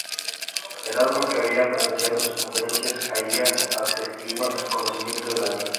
Erasmo, que había presenciado sus conferencias allí, atestigua su conocimiento del latín.